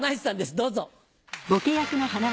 どうぞ。